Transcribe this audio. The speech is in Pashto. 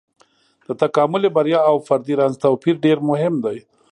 د تکاملي بریا او فردي رنځ توپير ډېر مهم دی.